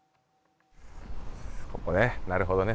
ここね、なるほどね。